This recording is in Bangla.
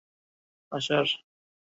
আসার হেতুটা কি বলেছেন উনি?